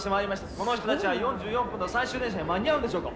この人たちは４４分の最終電車に間に合うのでしょうか。